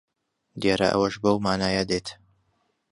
دیارە ئەوەش بەو مانایە دێت